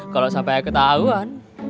kalau sampai ketahuan